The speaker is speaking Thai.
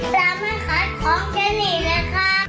แล้วมาขอของเจนีนะคะ